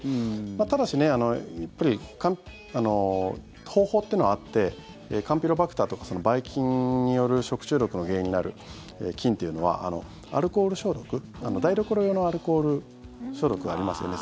ただし、方法というのはあってカンピロバクターとかばい菌による食中毒の原因になる菌というのはアルコール消毒台所用のアルコール消毒がありますよね